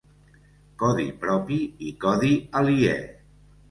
"Codi propi" i "codi aliè"